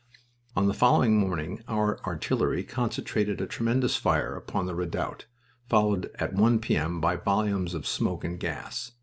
On the following morning our artillery concentrated a tremendous fire upon the redoubt, followed at 1 P.M. by volumes of smoke and gas.